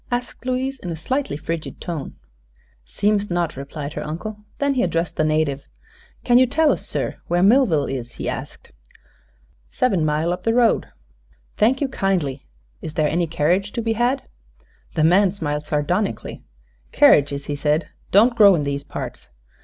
asked Louise, in a slightly frigid tone. "Seems not," replied her uncle. Then he addressed the native. "Can you tell us, sir, where Millville is?" he asked. "Sev'n mile up the road." "Thank you kindly. Is there any carriage to be had?" The man smiled sardonically. "Kerridges," he said, "don't grow in these parts.